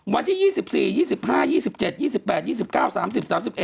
ใกล้มากนะ